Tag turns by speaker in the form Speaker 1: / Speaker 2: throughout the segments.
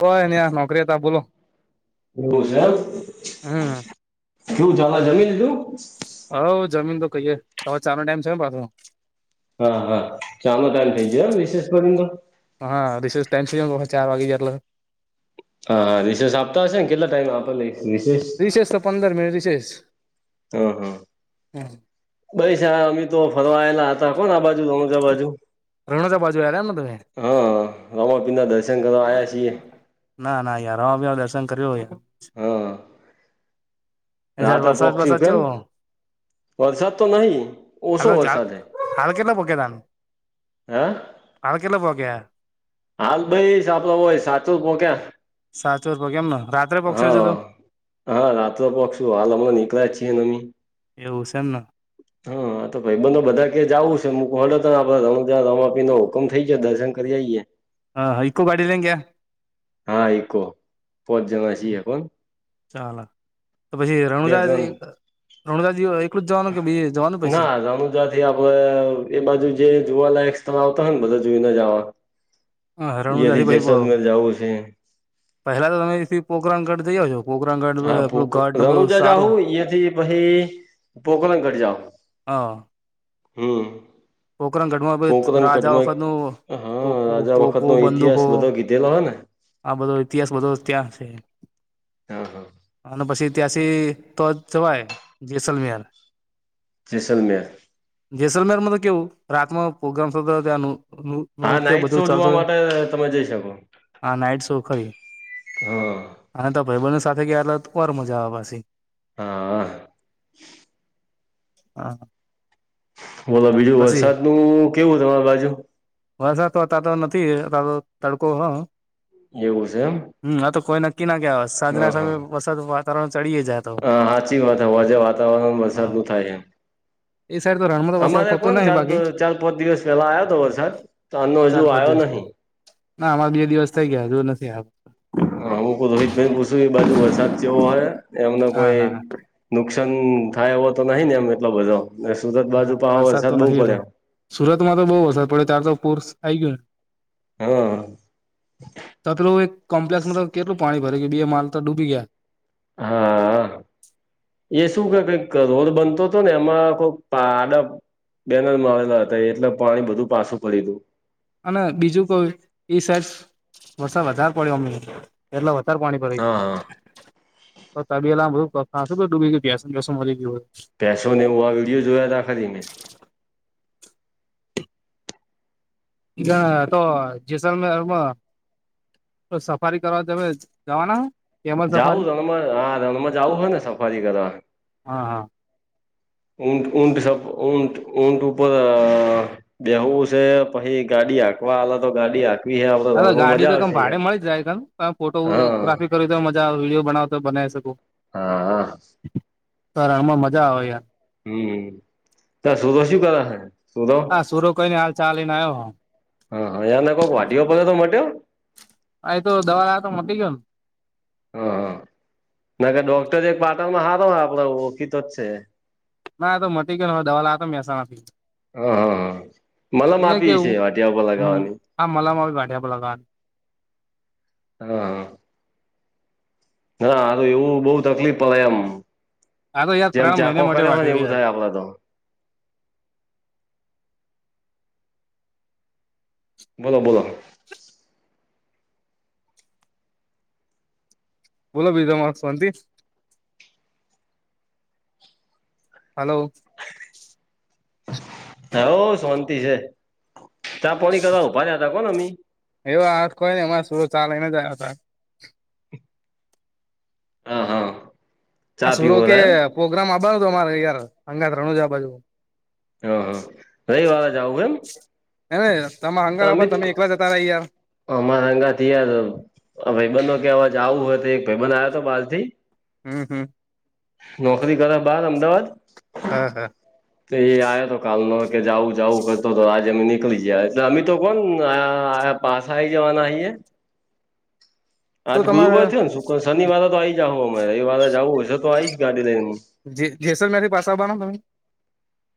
Speaker 1: કોય નઈ આ નોકરી હતા બોલો હમ
Speaker 2: [inaudible] કેવુ ચાલે? જમી લીધું?
Speaker 1: હવ જમીન તો કહીયએ હવે ચાનો ટાઈમ છે ને પાછો
Speaker 2: હા હા ચાલો તારે જઈઍ વિશેષ કરી
Speaker 1: હા રીસેસ ટાઈમન ચાર વાગી જ્યાં એટલે
Speaker 2: હા હા રીસેસ આપતા હશે, ને કેટલા ટાઈમ આપ?
Speaker 1: રિશેષ તો પંદર મિનિટ રિશેષ.
Speaker 2: હમ હા બાઈસા અમે તો ફરવાયેલા હતા કોને આ બાજુ હમ વડોદરા બાજુ
Speaker 1: રણોજા બાજુ આયા એમને તમે
Speaker 2: હા રામાપીરના દર્શન કરવા આયા છીએ.
Speaker 1: ના ના યાર રોમાપીરના દર્શન કર્યું હોયે. એ
Speaker 2: રાત
Speaker 1: સાઈડ વરસાદ
Speaker 2: પોક
Speaker 1: બરસાદ
Speaker 2: સીઝન
Speaker 1: ચેવો
Speaker 2: વરસાદ તો નહી ઓછો
Speaker 1: હાલો ચાલ
Speaker 2: વરસાદ હૈ.
Speaker 1: હાલ કેટલા પોગ્યા તામ.
Speaker 2: હા.
Speaker 1: હાળ કેટલ પોગ્યા હ.
Speaker 2: હાલ બઇસ આપડે ઓય સાચો પોક્યા.
Speaker 1: સાચોર પોગ્યા એમન રાત્રે પોગસો હજુ
Speaker 2: હા
Speaker 1: તો.
Speaker 2: હા રાત્ર પોકશું હાલ હમણાં નીકળ્યા જ છીએ નહી.
Speaker 1: એવું સ એમન.
Speaker 2: હ આ તો ભઈબધો બધા કે જાવું છે મું કઉં હડો તાણ આપડ રણુંજા રોમાપીરનો હુકમ થઈ જ્યો દર્શન કરી આઇએ.
Speaker 1: હા ઈકો ગાડી લઇન ગ્યા.
Speaker 2: હા ઈકો પોચ જણા સીએ કોન.
Speaker 1: ચાલ. તો પછી
Speaker 2: બે
Speaker 1: રણુજા
Speaker 2: ત્રણ
Speaker 1: રણુજા એકલું જ જવાનું કે બી જવાનું પછી.
Speaker 2: તે આપડ એ બાજુ જે જોવાલાયક સ્થળ આવતા હોય ને બધા જોઈને જ આવા.
Speaker 1: હા રણુજાથી
Speaker 2: યથી
Speaker 1: પછી
Speaker 2: જસલમેર જાવું છે.
Speaker 1: પહેલા તો તમે એથી પોકરનગઢ જઈ આવજો. પોકરણગઢ
Speaker 2: હા
Speaker 1: પેલું
Speaker 2: ભૂક
Speaker 1: ગઢ ને બધું
Speaker 2: રણુજા
Speaker 1: સારું
Speaker 2: જાહું ઈયાથી પહી પોકરનગઢ જાહુ
Speaker 1: હા
Speaker 2: હમ.
Speaker 1: પોકરણગઢમાં રાજા
Speaker 2: પોકરનગઢમાં એક
Speaker 1: વખતનું
Speaker 2: હ
Speaker 1: તોપો
Speaker 2: રાજા
Speaker 1: તોપો
Speaker 2: વખતનો
Speaker 1: બંદૂકો
Speaker 2: ઇતિહાસ બધો કીધેલો હ ન.
Speaker 1: આ બધો ઇતિહાસ બધો ત્યાં છે
Speaker 2: ત્યાં હ.
Speaker 1: અન પછી ત્યાંસી તો જ જવાય જેસલમિહાર.
Speaker 2: જેસલમેર.
Speaker 1: જેસલમેર મતો કેવું રાતમાં પોગ્રામ થતા હોય ત્યાંનું નું
Speaker 2: હા
Speaker 1: નૃત્ય
Speaker 2: નાઈટ
Speaker 1: બધું
Speaker 2: શો જોવા
Speaker 1: ચાલતો હોય
Speaker 2: માટે તમે જઈ શકો
Speaker 1: આ નાઈટ શો ખરી.
Speaker 2: હા
Speaker 1: હા તો ભઈબંધો સાથે ગ્યા એટલ ઓર મજા આવે પાછી.
Speaker 2: હા.
Speaker 1: હા.
Speaker 2: બોલો બીજું
Speaker 1: પછી
Speaker 2: વરસાદ નું કેવું તમારી બાજુ.
Speaker 1: વરસાદ તો અતાર તો નથી અતાર તો તડકો હ.
Speaker 2: એવુ સ એમ.
Speaker 1: હમ આ તો કોઈ નક્કી ના કેવાય સાંજના સમે વસાદ વાતાવરણ ચડીએ જાય. તો
Speaker 2: હ સાચી વાત હ હાંજે વાતાવરણ
Speaker 1: હા
Speaker 2: વરસાદ નું થાય હ.
Speaker 1: એ સાઈડ તો રણમાં તો
Speaker 2: અમ
Speaker 1: વરસાદ
Speaker 2: અમારે
Speaker 1: થતો
Speaker 2: કોન
Speaker 1: નહિ
Speaker 2: ચાર
Speaker 1: બાકી
Speaker 2: પ ચાર પાંચ દિવસ પેલા આયો તો વરસાદ તાનનો હજુ
Speaker 1: ચાર પાંચ
Speaker 2: આયો
Speaker 1: દિવસ
Speaker 2: નહી.
Speaker 1: પેલા ના અમાર બે દિવસ થઈ ગ્યા હજૂ નથી આવ.
Speaker 2: હા હુંકુ રોહિતભાઈન પૂછું એ બાજુ વરસાદ ચેવો હોય એમને
Speaker 1: ના
Speaker 2: કોઈ
Speaker 1: ના
Speaker 2: નુકસાન થાય એવો તો નહી ને એમ એટલો બધો ને સુરત બાજુ પાહો વરસાદ બહુ પડે.
Speaker 1: સુરત માં તો બહુ વરસાદ પડે ત્યાર તો પૂર્સ આઈ ગ્યું ન.
Speaker 2: હા
Speaker 1: તા પેલું એક કોમ્પ્લેક્ષમાં તો કેટલું પાણી ભરઈ ગ્યું બે માળ તો ડૂબી ગ્યા.
Speaker 2: હા આ. એ શું કે રોડ બનતો હતો ને, એમાં કોઈક પાડા બેનલ મા આવેલા હતા, એટલે પાણી બધું પાછું પડીયું હતું.
Speaker 1: અને બીજું કોઈ એ સાઈડ વરસાદ વધારે પડ્યો અમણે. એટલે વધારે પાણી ભરાઈ
Speaker 2: હા હા
Speaker 1: ગયું. તો તબીલામાં બધું ખાશું બો ડૂબી ગયુ, ભેંસ બેસ મરી ગયું હોય.
Speaker 2: ભેંસો ને, એવુ આ વિડીયો જોયા હતા ખાલી મેં.
Speaker 1: ના તો જેસલમેરમાં તો સફારી કરવા તમે જવાના હે.
Speaker 2: જાવું રણમાં. હા, રણમાં જાવું હોય ને, સફારી કરવા.
Speaker 1: હા હા
Speaker 2: ઉટ ઉટ સબ ઉટ ઊટ ઉપર બેહવું છે, પછી ગાડી હાકવા આલે તો, ગાડી હાક
Speaker 1: હવે ગાડી તો તમે ભાડે મળી જાય, તમે
Speaker 2: હા
Speaker 1: ફોટોગ્રાફી તો મજા આવે, વિડીયો બનાવો તો બનાવી શકો.
Speaker 2: હા.
Speaker 1: તો રણમાં મજા આવે યાર.
Speaker 2: હમ, ત સુભ શું કરે હે? સુરો
Speaker 1: હા, સુરો કોઈ ની હાલ ચાલીને, આવ્યો હ.
Speaker 2: હા, હા, યાર ને, કોક વાટીઓ પડ્યો તો મટ્યો.
Speaker 1: હ, એ તો દવા તો મટી ગયો ને.
Speaker 2: હા, હા, ના કે ડોક્ટર જે એક પાટાનો હારો હે આપડે ઓળખીતો જ છે.
Speaker 1: ના તો મટી ગયો, હવે દવા લાયા તા મહેસાણાથી.
Speaker 2: હ, હા, હા, મતલબ માપી છે, વાટીયા પર લગાવવાની.
Speaker 1: હા, મલમ વાટીયા પર લગાવાની.
Speaker 2: હા. હા, હારું એવું બઉ, તકલીફ પડે એમ.
Speaker 1: આ તો યાર
Speaker 2: જેમ
Speaker 1: ત્રણ મહિને
Speaker 2: ઝાંખો
Speaker 1: માટે
Speaker 2: કર્યો હોય ને,
Speaker 1: વાઢ્યો
Speaker 2: એવું
Speaker 1: યાર
Speaker 2: થાય આપડે તો. બોલો, બોલો.
Speaker 1: બોલો ભાઈ તામારે શાંતિ? હલો.
Speaker 2: હ, હો શાંતિ છે, ચાં-પોણી કરવા ઉભા રહ્યા હતા, કોને મી.
Speaker 1: એવ આ કોઈ નઈ એમા સૂરત ચાલીને ગયા હતા.
Speaker 2: હા હા.
Speaker 1: હ
Speaker 2: ચા
Speaker 1: સુરો
Speaker 2: પીવો
Speaker 1: કે,
Speaker 2: હતા એમ.
Speaker 1: પ્રોગ્રામ આવાનું, તમારે યાર અંગાત રણુજા બાજુ.
Speaker 2: હમ, હા, રવિવારે જાવું એમ.
Speaker 1: હ ને, તમા હંગાત આપો ને, તમે એકલા જતા રહયા.
Speaker 2: અમા હંગાત થયા, આ ભાઈબંધ નો કે અવે જાવું હોય તો, એક ભાઈબંધ આવ્યો હતો બાર થી.
Speaker 1: હમ, હમ.
Speaker 2: નોકરી કરે, બહાર અમદાવાદ.
Speaker 1: હા, હા.
Speaker 2: તો એ આયા તો કાલનો કે, જાઉ જાઉ કરતો તો, આજે અમે નિકલી જ્યાં. અમી તો કોણ પાસાહી જવાના છીએ.
Speaker 1: તો
Speaker 2: આજ
Speaker 1: તમારે
Speaker 2: ગુરુવાર થયો ને, શુક્ર-શનિવારે તો આઈ જાહું, અમારે રવિવારે જવું હશે તો, આવીશ ગાડી લઈને.
Speaker 1: જે જેસલમેર થી પાસા આવવાના તમે.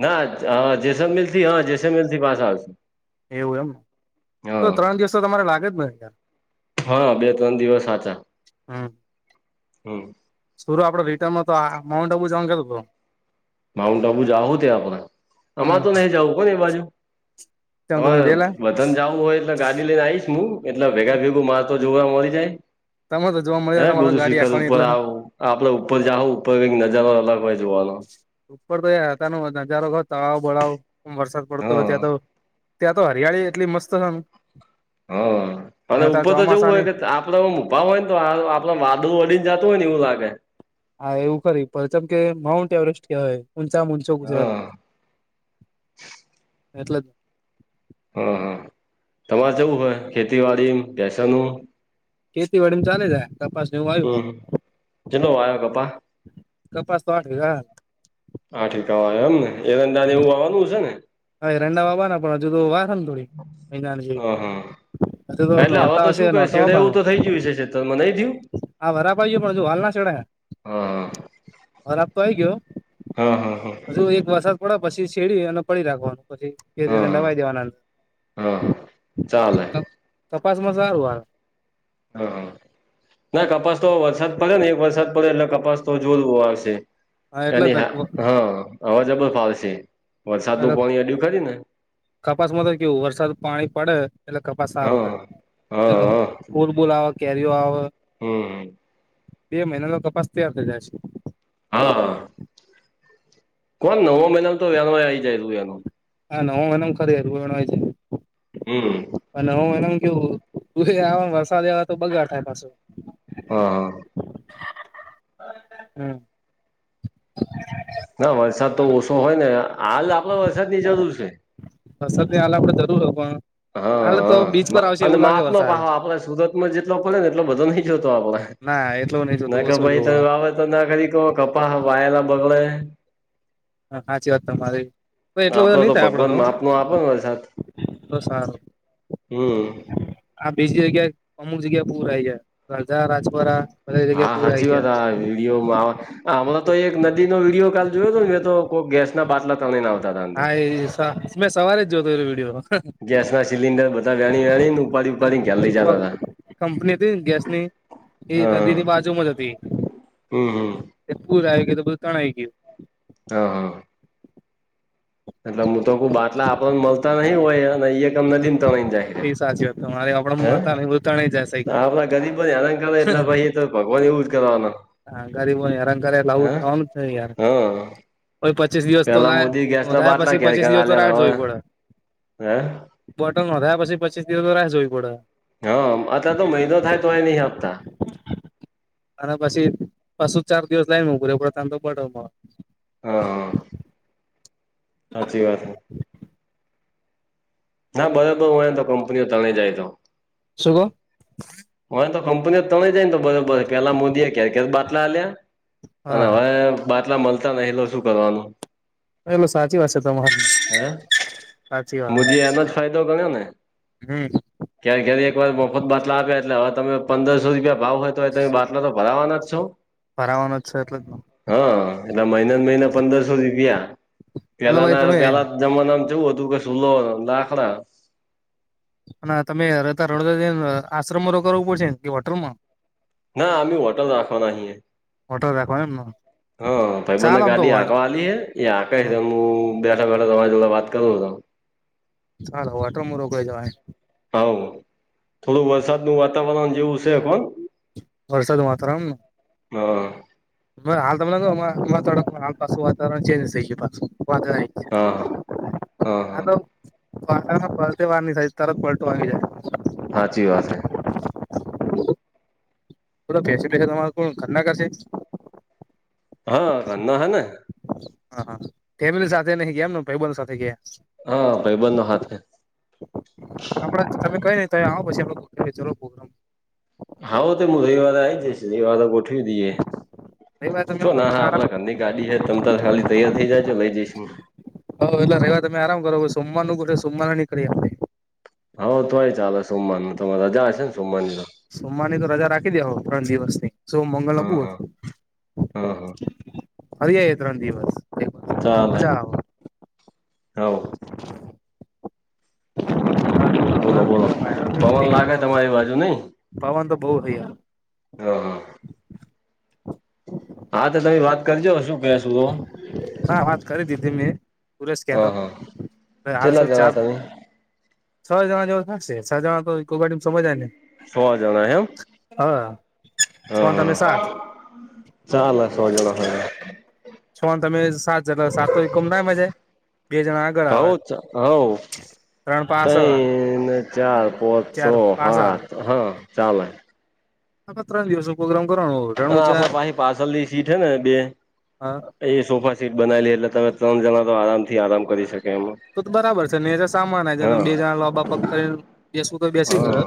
Speaker 2: ના જેસલમેલ થી હ જેસલમેર થી પાસા આવશે.
Speaker 1: એવું એમને તો ત્રણ દિવસ તો તમારે લાગે જ ને યાર.
Speaker 2: હા, બે-ત્રણ દિવસ સાચા હમ.
Speaker 1: સુર આપડો રિટર્નમાં તો માઉન્ટ આબુ જવા કેહતો હતો.
Speaker 2: માઉન્ટ આબુ જાઉ તે આપણે હમણાં
Speaker 1: હમ
Speaker 2: તો નહી જવું ને એ બાજુ
Speaker 1: તેમ તમે ગયેલા
Speaker 2: [unintelligible] તન જાવું હોય એટલે ગાડી લઈને આવીશ હું એટલે ભેગા ભેગું માર તો જોવા મળી જાય.
Speaker 1: તમે તો જોવા
Speaker 2: હે
Speaker 1: મળ્યા તમારા
Speaker 2: ગધું
Speaker 1: ગાડી
Speaker 2: શીખર
Speaker 1: આંકવાની
Speaker 2: ઉપર
Speaker 1: એટલે
Speaker 2: આવું. આપડે ઉપર જાહું ઉપર કઈક નજારો અલગ હોય જોવાનો.
Speaker 1: ઉપર તોય [unintelligible] નજારો તળાવ બળાવ વરસાદ પડતો હોય
Speaker 2: હા
Speaker 1: ત્યાં તો ત્યાં તો હરિયાળી એટલી મસ્ત
Speaker 2: હ અને
Speaker 1: ત્યાં
Speaker 2: ઉપર તો જવું હોય
Speaker 1: ચોમાસાની
Speaker 2: કે આપ પડે આમ ઉભા હોય ને તો આપણે માથું અડીને જતું હોય ને એવું લાગે.
Speaker 1: હા એવું ખરી પરચમ કે માઉન્ટ એવરેસ્ટ કેહવાય ઊંચામાં ઊંચો ગુજરાત
Speaker 2: હા
Speaker 1: એટલે
Speaker 2: હા હા તમારે જવું હોય ખેતીવાડી પૈસાનું
Speaker 1: ખેતી વાડીનું ચાલે છે તપાસને એવું આવ્યું
Speaker 2: હમ કેટલો વાયો કપા
Speaker 1: કપાસ તો [unintelligible]
Speaker 2: આઠકાવા એમ ને [unintelligible] એવું આવાનું હશે ને.
Speaker 1: હા રંડા વાવાના પણ હજુ તો વાર હે ને થોડી મહિનાની જે
Speaker 2: હા હા એટલે હવે તો શું કે
Speaker 1: નોરતા
Speaker 2: છેેડે
Speaker 1: વાવવાનો
Speaker 2: એવું તો થઈ ગયું છેતરમાં નહી થયું.
Speaker 1: હા, વરાપ આવી ગયો પણ હજુ વાલ ના ચડાય
Speaker 2: હા
Speaker 1: વરાપ તો આવી ગયો.
Speaker 2: હા હા હા
Speaker 1: હજુ એક વરસાદ પડે પછી છેડી અને પડી રાખવાનું પછી કે
Speaker 2: હા
Speaker 1: રેને નવાઈ દેવાના
Speaker 2: હા હા ચાલે
Speaker 1: કપાસમાં સારું આવે
Speaker 2: હા ના કપાસ તો વરસાદ પડે ને એક વરસાદ પડે એટલે કપાસ તો જોર આવશે
Speaker 1: હા એટલે
Speaker 2: એની
Speaker 1: જ
Speaker 2: હા હા અવાજબ ફાવશે
Speaker 1: એટલે
Speaker 2: વરસાદનું પાણી હજું ખરી ને
Speaker 1: કપાસમાં તો કેવું વરસાદ પાણી પડે એટલે કપાસ સારો
Speaker 2: હા હા
Speaker 1: થાય.
Speaker 2: હા
Speaker 1: ફૂલબૂલ આવે કેરીઓ આવ
Speaker 2: હમ.
Speaker 1: બે મહિનાનો કપાસ તૈયાર થઈ જાય છે
Speaker 2: હા. કોણ નવો મહિના તો વ્યાહ આવી જાયલુ એનું
Speaker 1: હા નવમા મહિનામાં ખરી [unintelligible]
Speaker 2: હમ.
Speaker 1: અ નવમાં મહિનામાં કેવું? તું આ વરસાદ આયવા તો બગાડ થાય પાછું.
Speaker 2: હા હા
Speaker 1: હમ.
Speaker 2: ના વરસાદ તો ઓછો હોયને હાલ આપલે વરસાદની જરૂર છે.
Speaker 1: વરસાદની હાલ આપડે જરૂર હો પણ આ લોકો બીચ પર
Speaker 2: હા
Speaker 1: આવશે
Speaker 2: અને
Speaker 1: એવું લાગે
Speaker 2: માપનો
Speaker 1: વરસાદ
Speaker 2: પાહો આપડે સુરતમાં જેટલો પડેને એટલો બધો નઈ જતો આપડે
Speaker 1: ના એટલો નહીં જતો ઓછો જો
Speaker 2: ત વાવે તો ના કરી ક કપાહ વાયેલા બગલે
Speaker 1: હ હાચી વાત તમારી. તો એટલો બધો
Speaker 2: આપડે
Speaker 1: નહી
Speaker 2: તો
Speaker 1: થાય
Speaker 2: ભગવાન માપનો આપો ને વરસાદ
Speaker 1: તો સારું
Speaker 2: હમ.
Speaker 1: આ બીજી જગ્યા અમુક જગ્યા પૂરાય જાય રજા રાજ બરા બધી જગ્યા પુરાય ગયા.
Speaker 2: દીઓમા હમણાં એક નદીનો વિડીયો કાલ જોયો હતો ને મે તો કોઈ ગેસ ના બાટલા તણાઈને આવતા હતા અંદર
Speaker 1: હા એ [unintelligible] મેં સવારે જ જોતો હતો એ વિડીયો.
Speaker 2: ગેસના સિલિન્ડર બધા વેણી, વેણીને ઉપાડી, ઉપાડીને ઘરે લઈ જતા હતા.
Speaker 1: કંપની હતી ગેસની, એ
Speaker 2: હા હા
Speaker 1: નદીની બાજુમાં જ હતી.
Speaker 2: હમ હમ.
Speaker 1: તે પૂર આવી ગયો તો બધું તણાઈ ગયું.
Speaker 2: હા હા. એટલે હું તો કો બાટલા આપણને મળતા નહીિ હોયહી કમ નથીને ત્રય ને જાર.
Speaker 1: એ સાચી વાત તમારે આપડે
Speaker 2: હે
Speaker 1: મળતા નહી બધું તણાઈ જાય સહી
Speaker 2: આપડા ગરીબોને આરાન કરે એટલે ભાઈ એ તો ભગવાન એવું જ કરવાનું.
Speaker 1: હા ગરીબો હરામ કર લાવું થવાનું છે યાર.
Speaker 2: હા
Speaker 1: કો પચીસ દિવસ તો લ
Speaker 2: પેલા મોદી ગેસ ના
Speaker 1: નોંધાયા
Speaker 2: બાટલા
Speaker 1: પછી
Speaker 2: ઘેર
Speaker 1: પચીસ
Speaker 2: ઘેર
Speaker 1: દિવસ તો
Speaker 2: આલ્યા ને
Speaker 1: રાટ જોવી
Speaker 2: હવે
Speaker 1: પડે.
Speaker 2: હે
Speaker 1: બટન નોંધાયા પછી પચીસ દિવસ તો રા રહે જોવવી પડે.
Speaker 2: હા અત તો મહિનો થાય તો એ નહી આપતા.
Speaker 1: અને પછી પાછું ચાર દિવસ લાયને પરે પડ ત તો બર્ડરમાં.
Speaker 2: હા. સાચછી વાત હૈ.
Speaker 1: હ [unintelligible]
Speaker 2: ના બરોબર હુંયને તો કંપનીઓ તણે જાય તો.
Speaker 1: શુંગો?
Speaker 2: હય તો કંપનીઓ તણે જાયને તો બરોબર પેલા મોદી એ ક્યારે ક્યારે બાટલા લ્યા.
Speaker 1: હા
Speaker 2: અને
Speaker 1: હા
Speaker 2: હવે બાટલા મળતા નહ તો શું કરવાનું.
Speaker 1: એેલ સાચી વાત છે તમારી,
Speaker 2: હે
Speaker 1: સાચી વાત.
Speaker 2: મોદીએ એનો જ ફાયદો ગણ્યો ને.
Speaker 1: હમ.
Speaker 2: ક્યારે ક્યારે એકવાર મફત બાટલા આપ્યા એટલે હવે તમે પંદરસો રૂપિયા ભાવ હોય તો તમે બાટલા તો. ભરાવાના જ છો.
Speaker 1: ફરાવાનું જ છે એટલે જ.
Speaker 2: હા એટલે મહિના મહિને પંદરસો રૂપિયા,
Speaker 1: એટલે ભાઈ
Speaker 2: પેલાના
Speaker 1: તમે
Speaker 2: પેલા જમાના નામ કેવું હતું કે સુૂલો દાખડા.
Speaker 1: અને તમેતા રણો આશ્રમ કરવો પડશેને કે હોટલમાં?
Speaker 2: ના અમે હોટલ રાખવાના હીએ.
Speaker 1: ઓટો રાખવા?
Speaker 2: હા ભાઈ બને ગાડી આગવાલી હ. એ આ કઈ
Speaker 1: હા
Speaker 2: છે હું બેઠા બેઠા તમારી વાત કરું ત.
Speaker 1: ચાલો વટરમાં રોક જવાય.
Speaker 2: હા, થોડું વરસાદનું વાતાવરણ જેવું છે કોણ
Speaker 1: વરષદ માતારમ.
Speaker 2: હા
Speaker 1: હાલ તમને થોડા હ પાછું વાતાવરણ ચેન્જ થઈ ગયું પાછું.
Speaker 2: હા હા.
Speaker 1: હા તો પલટ વાર સા તરત પલટું આવી જાય.
Speaker 2: સાાચી વાત છે.
Speaker 1: થો બેસે બેસે તમારે કોણ ખરના કરશે?
Speaker 2: હા કંધ હને.
Speaker 1: હા હા, ફેમિલી સાથે નહી ગયાને ભાઈબંધ સાથે ગયા.
Speaker 2: હા ભાઈ બંધો હાથે
Speaker 1: આપ તમે કઈ [unintelligible]
Speaker 2: હા [inaudible] ગોઠવી દઈએ.
Speaker 1: રવિવાર
Speaker 2: એ
Speaker 1: તમે
Speaker 2: ચો
Speaker 1: આવો
Speaker 2: ના ના
Speaker 1: તમે
Speaker 2: હા આપડા
Speaker 1: આરામ
Speaker 2: ઘરની ગાડી હે તમ તાર ખાલી તૈયાર થઇ જાયજો લઈ જઈશ હુ
Speaker 1: હ એેલા રવા તમે આરામ કરો સોમવારનું [unintelligible] સોમવાર ના નીકળ્યા
Speaker 2: હવ તોય ચાલે સોમવારનું તમારે રજા હશે ને સોમવાનની તો
Speaker 1: સોમવારની તો રજા રાખી દે હો ત્રણ દિવસ ની સોમ મંગળ ને
Speaker 2: હા
Speaker 1: બુધ
Speaker 2: હા હા હા
Speaker 1: ફરી આઈએ ત્રણ દિવસ
Speaker 2: ચાલે
Speaker 1: મજા આવે
Speaker 2: હોવ
Speaker 1: [inaudible]
Speaker 2: બોલો બોલો પવન લાગે તમારી બાજુ નઈ
Speaker 1: પવન તો બહુ વે
Speaker 2: હા હા તો તમે વાત કરજો શું કેશું હો
Speaker 1: હા વાત કરી દીધી મેં પરેશ કેતો
Speaker 2: હા હા
Speaker 1: તું હાલ
Speaker 2: કેટલા જણા
Speaker 1: [unintelligible]
Speaker 2: તમે
Speaker 1: છ જણા જેવો થશે સા જણા તોઈ કોઈ ગાડીમાં સમજ જાય ને
Speaker 2: સો જણા એમ
Speaker 1: હા છ ને
Speaker 2: હા
Speaker 1: તમે
Speaker 2: હા
Speaker 1: સાત
Speaker 2: ચાલ સો જણા હજ
Speaker 1: છો ને તમે સાત જણા સાત ઈકોમ ના હમાય જાય બે જણા આગળ
Speaker 2: હવ
Speaker 1: આવે
Speaker 2: જ હવ
Speaker 1: ત્રણ
Speaker 2: હે
Speaker 1: પાછળ
Speaker 2: ને ચાર, પોચ, છો,
Speaker 1: ચાર પાછળ
Speaker 2: હાત હા ચાલે
Speaker 1: હા તો ત્રણ દિવસો પ્રોગ્રામ કરાવો
Speaker 2: હ આપડે પાહી પાસલી સીટ હે ને બે
Speaker 1: હા
Speaker 2: એ સોફા સીટ બનાવેલી એટલે તમે ત્રણ જણા તો આરામ થી આરામ કરી શકે એમાં
Speaker 1: તો તો બરાબર છે નેચે સામાન આઈ જાય
Speaker 2: હા
Speaker 1: બે જણા લોબા પગ કરીને બેસવું તો બેસી ખરે
Speaker 2: હા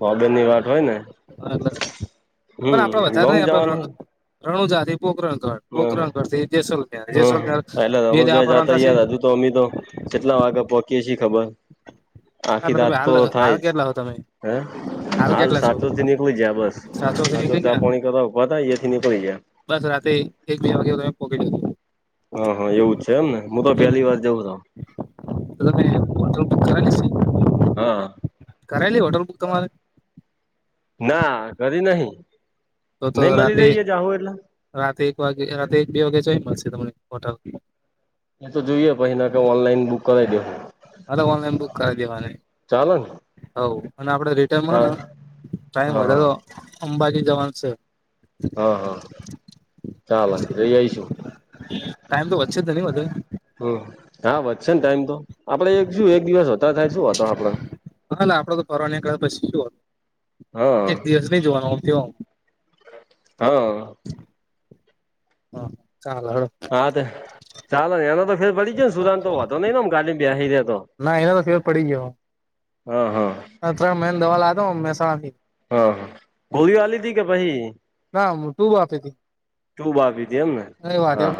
Speaker 2: [unintelligible] ની વાત હોય ને
Speaker 1: [unintelligible] પણ આપડે
Speaker 2: હમ
Speaker 1: વધારે
Speaker 2: લોંગ
Speaker 1: નહી આપડે
Speaker 2: જવાનું
Speaker 1: રણુજાથી પોખરણ [unintelligible]
Speaker 2: હોય હ
Speaker 1: પોકરણ કરશે જેસલમેર
Speaker 2: હમ
Speaker 1: જેસલમેર
Speaker 2: એટલે
Speaker 1: બે દાડા
Speaker 2: રણુજા જાતા
Speaker 1: ફરવાના થશે
Speaker 2: યાર હજુ તો અમે તો ચેટલા વાગે પોહકીએ છીએ ખબર આખી
Speaker 1: એટલે
Speaker 2: રાત
Speaker 1: તમે હાલ
Speaker 2: તો થાય
Speaker 1: હાલ
Speaker 2: જ
Speaker 1: કેટલા હો તમે
Speaker 2: હે હાલ
Speaker 1: કેટલા છો
Speaker 2: સાચો થી નીકળી જયા બસ
Speaker 1: થી
Speaker 2: સાચો
Speaker 1: નીકળી ગયા
Speaker 2: ચા પોણી કરવા ઊભા તા એ થી નીકળી ગયા.
Speaker 1: બસ રાતે એક બે વાગે તમે પોહકી [unintelligible]
Speaker 2: હા હા એવું જ છે એમ ને હું તો
Speaker 1: હમ
Speaker 2: પહેલી વાર જઉં રો
Speaker 1: હોટલ બુક કરેલી છે
Speaker 2: હા
Speaker 1: કરાયલી હોટર બુક તમારે
Speaker 2: ના કરી નહી
Speaker 1: તો તો
Speaker 2: નહી મળી
Speaker 1: રાતે
Speaker 2: રહી જાહુ એટલે
Speaker 1: રાતે એક વાગે રાતે એક બે વાગે જોહી મળશે તમને હોટલ?
Speaker 2: એ તો જોઈએ પહી ના ક ઓનલાઈન બુક કરાઈ દેહુ
Speaker 1: હા તો
Speaker 2: ચાલે ને
Speaker 1: હો અને આપડે રિટર્નમા હ
Speaker 2: હા
Speaker 1: ન ટાઈમ
Speaker 2: હા
Speaker 1: વધે તો
Speaker 2: હા
Speaker 1: અંબાજી જવાનું છે.
Speaker 2: હા હા ચાલે જઈ આવી શું.
Speaker 1: ટાઈમ તો વચ્ચે તો નહી વધે
Speaker 2: હ હા વધશે ને ટાઈમ તો આપડે એક શું એક દિવસ વધાર થાય શું વાંધો આપડો
Speaker 1: [unintelligible] ફરવા નેકળ્યા પછી શું હે
Speaker 2: હ
Speaker 1: દિવસ નહી જોવાનો આમ તેમ આમ
Speaker 2: હા
Speaker 1: હા, ચાલ હળ.
Speaker 2: હા, તો ચાલ એ તો વળી જને સુદંત તો હોતો નહી, નેમ ગાલી બેસી રહ તો.
Speaker 1: ના એનો તો ફેર
Speaker 2: હા, હા.
Speaker 1: હ ત્ર મેન દવા લ દો મહેસાણાથી. [unintelligible]
Speaker 2: હા, હા, ગોળીઓ આલી હતી કે ભાઈ?
Speaker 1: ના ટુ વાપેથી [unintelligible]
Speaker 2: ટુબ આવી હતી, એમને હા, હા.